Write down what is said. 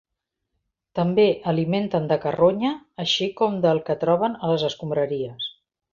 També alimenten de carronya, així com del que troben a les escombraries.